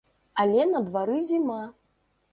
Але на двары зіма!